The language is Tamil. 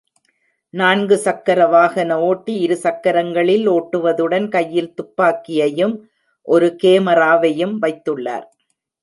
நான்கு சக்கர வாகன ஓட்டி இரு சக்கரங்களில் ஓட்டுவதுடன் கையில் துப்பாக்கியையும் ஒரு கேமராவையும் வைத்துள்ளார்.